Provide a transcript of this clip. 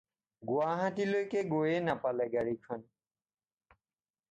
গুৱাহাটীলৈকে গৈয়ে নাপালে গাড়ীখন।